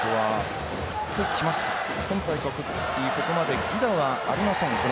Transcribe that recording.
ここまで犠打はありません